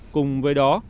cùng với đó